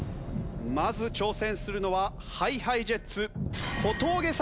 まず挑戦するのはＨｉＨｉＪｅｔｓ小峠さんからです。